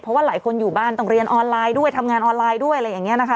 เพราะว่าหลายคนอยู่บ้านต้องเรียนออนไลน์ด้วยทำงานออนไลน์ด้วยอะไรอย่างนี้นะคะ